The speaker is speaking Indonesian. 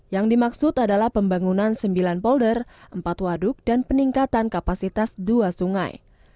yang dimaksud adalah pembangunan sembilan polder empat waduk dan peningkatan kapasitas dua sungai